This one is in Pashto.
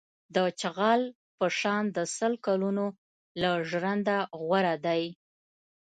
د چغال په شان د سل کلونو له ژونده غوره دی.